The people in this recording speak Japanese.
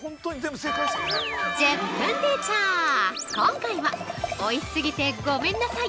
◆１０分ティーチャー、今回はおいしすぎてごめんなさい